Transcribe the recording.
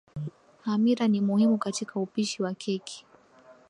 Hamira ni muhimu katika upishi wa keki